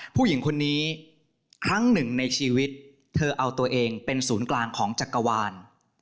ผู้หญิงคนนี้ครั้งหนึ่งในชีวิตเธอเอาตัวเองเป็นศูนย์กลางของจักรวาล